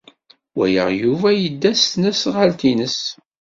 Walaɣ Yuba yedda s tesnasɣalt-nnes.